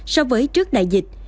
so với trước đại dịch